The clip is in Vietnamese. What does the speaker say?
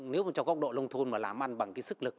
nếu trong góc độ lông thôn mà làm ăn bằng cái sức lực